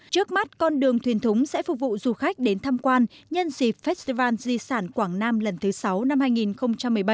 trước mắt con đường thuyền thúng sẽ phục vụ du khách đến tham quan nhân dịp festival di sản quảng nam lần thứ sáu năm hai nghìn một mươi bảy